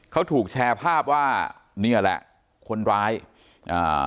เขาถูกแชร์ภาพว่าเนี่ยแหละคนร้ายอ่า